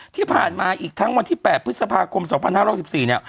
ที่ผ่านมาอีกทั้งวันที่๘พฤษภาคม๒๕๑๔เนี่ย